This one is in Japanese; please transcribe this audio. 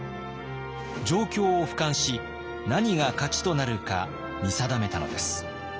状況を俯瞰し何が勝ちとなるか見定めたのです。